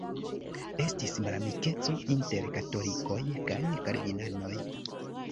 Estis malamikeco inter katolikoj kaj kalvinanoj.